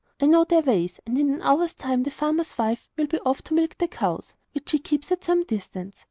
I know their ways, and in an hour's time the farmer's wife will be off to milk the cows, which she keeps at some distance.